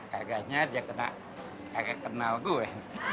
kaganya dia kena kenal gue